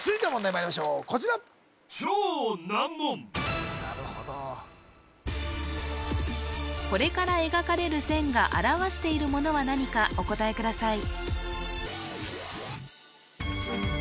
まいりましょうこちらこれから描かれる線が表しているものは何かお答えください